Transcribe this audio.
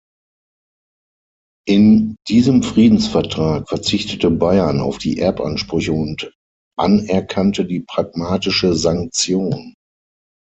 In diesem Friedensvertrag verzichtete Bayern auf die Erbansprüche und anerkannte die Pragmatische Sanktion.